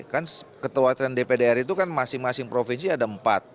kan ketua dpdr itu kan masing masing provinsi ada empat